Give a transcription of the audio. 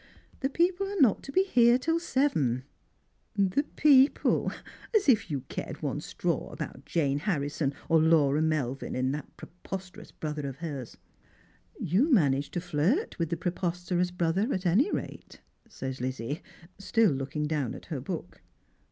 The people are not to be here till seven." *' Tlie people ! as if you cared one straw about Jane Harrison or Laura Melvin and that preposterous brother of hers !"" You manage to flirt with the preposterous brother, at any rate," says Lizzie, still looking down at her book.